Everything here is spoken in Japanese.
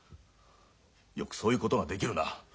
よくそういうことができるな。